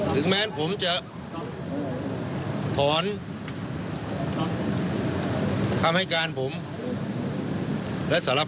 ถึงแม้ผมจะถอนคำให้การผมและสารภาพ